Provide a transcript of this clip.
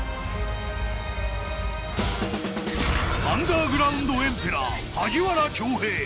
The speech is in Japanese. アンダーグラウンドエンペラー萩原京平。